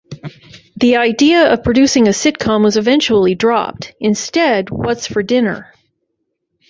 The idea of producing a sitcom was eventually dropped; instead, What's for Dinner?